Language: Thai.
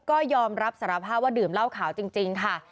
ก็ยอมรับสารภาพว่าดื่มเหล้าขาวจริงค่ะ